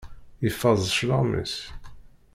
Iffeẓ cclaɣem-is.